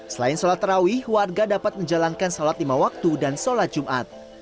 selain sholat terawih warga dapat menjalankan sholat lima waktu dan sholat jumat